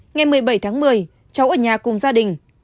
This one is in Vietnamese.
ngày một mươi bảy tháng một mươi cháu ở nhà cùng gia đình